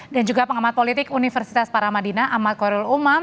dan juga pengamat politik universitas paramadina ahmad khorul umam